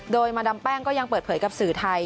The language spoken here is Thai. โดยมาดามแป้งก็ยังเปิดเผยกับสื่อไทย